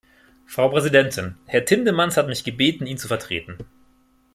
Frau Präsidentin! Herr Tindemans hat mich gebeten, ihn zu vertreten.